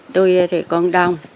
tôi thì con đông